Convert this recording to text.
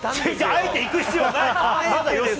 あえていく必要ない。